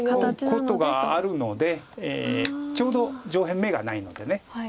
ことがあるのでちょうど上辺眼がないので。